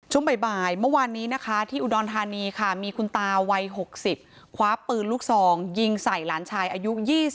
จุ่มบ่ายมันวันนี้ที่อุดรธานีมีคุณตาวัย๖๐คว้าปืนลูก๒ยิงใส่หลานชายอายุ๒๐